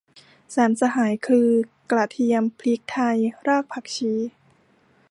สามสหายคือ กระเทียม พริกไทย รากผักชี